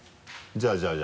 じゃあじゃあ。